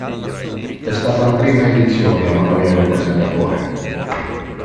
È stata la prima edizione a non avere un presentatore.